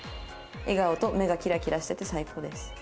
「笑顔と目がキラキラしてて最高です」。